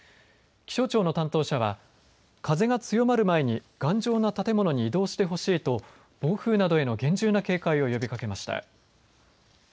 気象庁の担当者は風が強まる前に頑丈な建物に移動してほしいと暴風などへの厳重な警戒を呼びかけました。